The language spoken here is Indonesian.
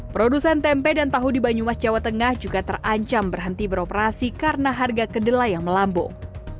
produsen tempe dan tahu di banyumas jawa tengah juga terancam berhenti beroperasi karena harga kedelai yang melambung